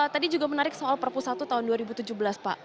tadi juga menarik soal perpu satu tahun dua ribu tujuh belas pak